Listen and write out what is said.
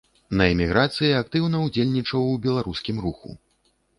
На эміграцыі актыўна ўдзельнічаў у беларускім руху.